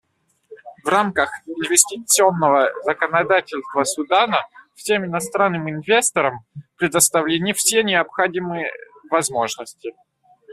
В рамках инвестиционного законодательства Судана всем иностранным инвесторам предоставлены все необходимые возможности.